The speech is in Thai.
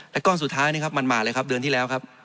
แต่ก้อนสุดท้ายนะครับมันมาเลยครับเดือนที่แล้วครับ